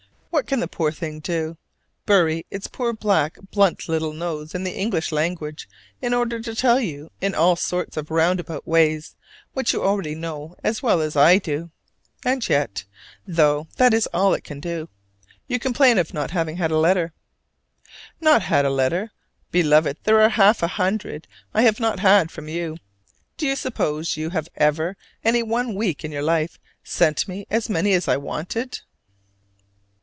What can the poor thing do? Bury its poor black, blunt little nose in the English language in order to tell you, in all sorts of roundabout ways, what you know already as well as I do. And yet, though that is all it can do, you complain of not having had a letter! Not had a letter? Beloved, there are half a hundred I have not had from you! Do you suppose you have ever, any one week in your life, sent me as many as I wanted?